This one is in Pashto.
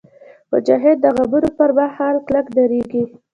مجاهد د غمونو پر مهال کلک درېږي.